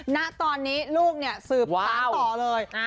ณตอนนี้ลูกเนี่ยสืบสารต่อเลย